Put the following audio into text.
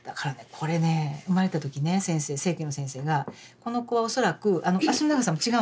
これね生まれた時ね先生整形の先生がこの子は恐らくあの脚の長さも違うんですよ